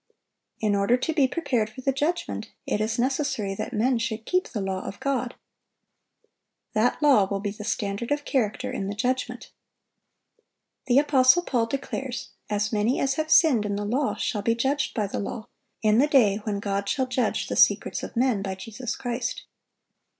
In order to be prepared for the judgment, it is necessary that men should keep the law of God. That law will be the standard of character in the judgment. The apostle Paul declares, "As many as have sinned in the law shall be judged by the law, ... in the day when God shall judge the secrets of men by Jesus Christ."